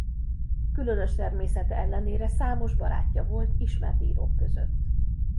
Különös természete ellenére számos barátja volt ismert írók között.